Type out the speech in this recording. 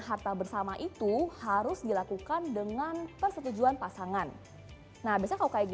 harta bersama itu harus dilakukan dengan persetujuan pasangan nah biasanya kalau kayak